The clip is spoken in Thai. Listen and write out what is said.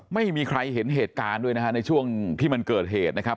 ไม่มีใครเห็นเหตุการณ์ด้วยนะฮะในช่วงที่มันเกิดเหตุนะครับ